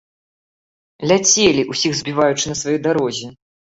Ляцелі, усіх збіваючы на сваёй дарозе!